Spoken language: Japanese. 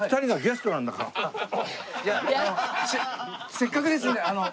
せっかくですのであの。